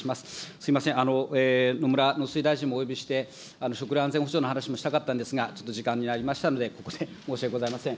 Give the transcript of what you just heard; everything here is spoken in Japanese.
すみません、野村農水大臣もお呼びして食料安全保障の話もしたかったんですが、ちょっと時間になりましたので、ここで申し訳ございません。